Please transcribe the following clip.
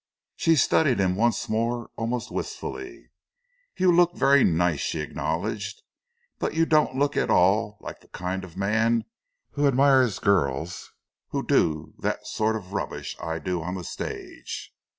She studied him once more almost wistfully. "You look very nice," she acknowledged, "but you don't look at all the kind of man who admires girls who do the sort of rubbish I do on the stage."